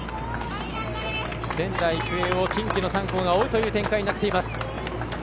仙台育英を近畿の３校が追うという展開になっています。